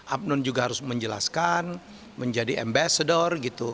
abang none juga harus menjelaskan menjadi ambassador gitu